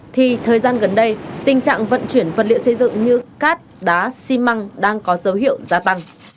thì thời gian gần đây tình trạng vận chuyển vật liệu xây dựng như cát đá xi măng đang có dấu hiệu gia tăng